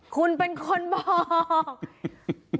คุณเป็นคนบอก